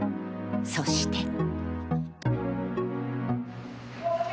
そして。